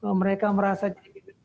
kalau mereka merasa jadi pimpinan kpk